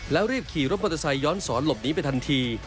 แล้วรีบขี่รถมอเตอร์ไซค์ย้อนสอนหลบหนีไปทันที